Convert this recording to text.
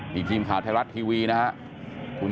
นี่ทีมข่าวไทยรัฐทีวีนะครับ